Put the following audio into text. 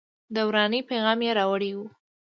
د ورانۍ پیغام یې راوړی و.